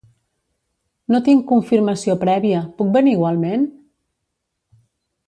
No tinc confirmació prèvia, puc venir igualment?